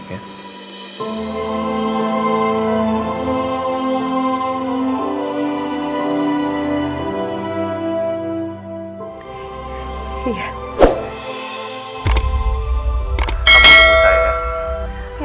kamu menunggu saya ya